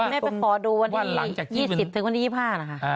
ไม่ได้ไปขอดูวันที่๒๐ถึงวันที่๒๕นะคะ